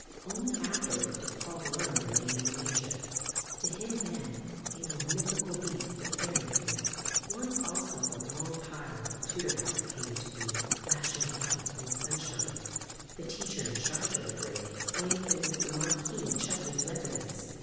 Only afterward did Paul learn their name and nature: to him then they were mythical beasts of fairyland. Once also the long pile of the Tudor house came into view, flashing white in the sunshine. The teacher in charge of the brake explained that it was the Marquis of Chudley's residence.